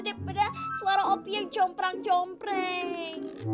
daripada suara opi yang jomprang jompreng